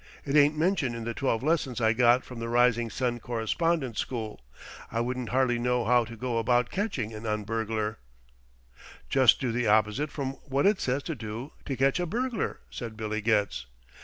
It ain't mentioned in the twelve lessons I got from the Rising Sun Correspondence School. I wouldn't hardly know how to go about catching an un burglar " "Just do the opposite from what it says to do to catch a burglar," said Billy Getz.